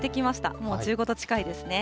もう１５度近いですね。